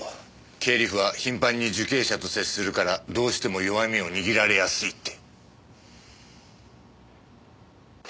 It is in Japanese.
経理夫は頻繁に受刑者と接するからどうしても弱みを握られやすいって。